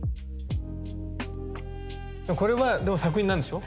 でもこれはでも作品なんでしょ？